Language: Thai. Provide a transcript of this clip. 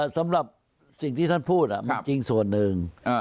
สำหรับสิ่งที่ท่านพูดมันจริงส่วนหนึ่ง